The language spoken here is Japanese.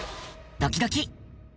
ドキドキ。